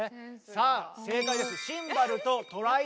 さあ正解です。